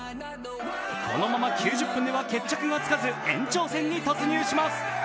このまま９０分では決着がつかず延長戦に突入します。